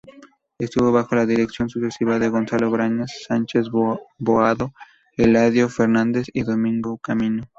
Estuvo bajo la dirección sucesiva de Gonzalo Brañas Sánchez-Boado, Eladio Fernández y Domingo Camino.